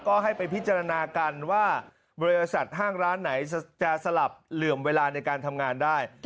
ก็ให้ไปพิจารณากันว่าบริษัทห้างร้านไหนจะสลับเหลื่อมเวลาในการทำงานได้